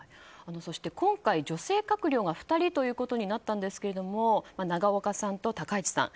そして今回女性閣僚が２人ということになったんですけど永岡さんと高市さん。